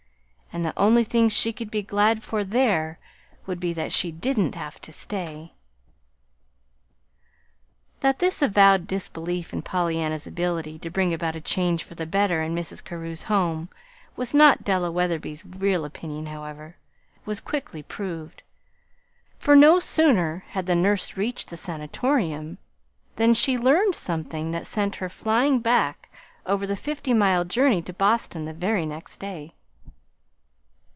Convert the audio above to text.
And the only thing she could be glad for there would be that she didn't have to stay." That this avowed disbelief in Pollyanna's ability to bring about a change for the better in Mrs. Carew's home was not Della Wetherby's real opinion, however, was quickly proved; for no sooner had the nurse reached the Sanatorium than she learned something that sent her flying back over the fifty mile journey to Boston the very next day.